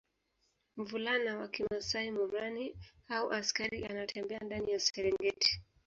Mvulana wa kimaasai Morani au askari anatembea ndani ya Serengeti